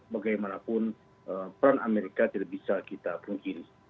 bagaimanapun peran amerika tidak bisa kita pungkiri